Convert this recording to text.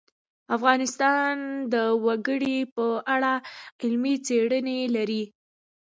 افغانستان د وګړي په اړه علمي څېړنې لري.